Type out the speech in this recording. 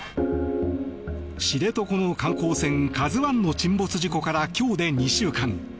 知床の観光船「ＫＡＺＵ１」の沈没事故から今日で２週間。